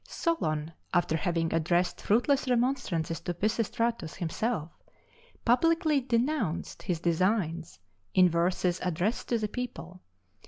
Solon, after having addressed fruitless remonstrances to Pisistratus himself, publicly denounced his designs in verses addressed to the people.